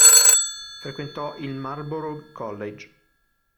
Frequentò il Marlborough College.